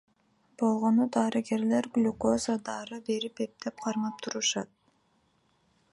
Болгону дарыгерлер глюкоза, дары берип эптеп кармап турушат.